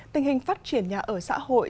tình hình phát triển nhà ở xã hội